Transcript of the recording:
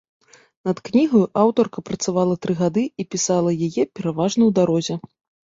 Над кнігаю аўтарка працавала тры гады і пісала яе пераважна ў дарозе.